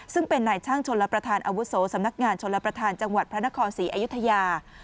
ซึ่งเป็นนายช่างชนรับประทานอาวุโสสำนักงานชนรับประทานจังหวัดพระนครศรีอยุธยา